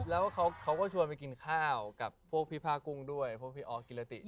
แล้วเขาก็ชวนไปกินข้าวกับพวกพี่ผ้ากุ้งด้วยพวกพี่ออสกิรติ